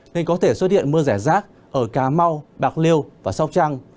nên có thể xuất hiện mưa rải rác ở cà mau bạc liêu và sóc trăng